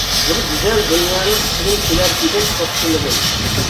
بىر گۈزەل دۇنيانىڭ ئىچىدىن كېلەر ئىدىم، توختىمىدىم.